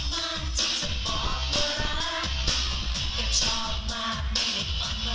มันจะโรงอะไรอยู่นี้อ่า